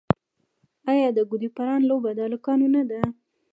آیا د ګوډي پران لوبه د هلکانو نه ده؟